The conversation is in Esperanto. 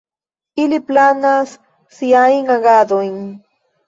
Ili planas siajn agadojn.